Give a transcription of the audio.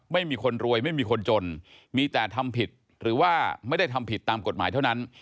ไม่มีคนรวยไม่มีคนจนมีแต่ทำผิดหรือว่าไม่ได้ทำผิดตามกฎหมายเท่านั้น